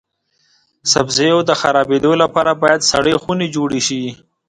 سبزیو د خرابیدو لپاره باید سړې خونې جوړې شي.